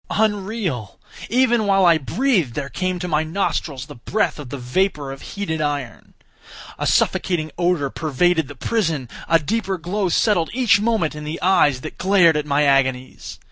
Unreal!—Even while I breathed there came to my nostrils the breath of the vapour of heated iron! A suffocating odour pervaded the prison! A deeper glow settled each moment in the eyes that glared at my agonies!